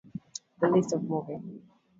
The list of movie.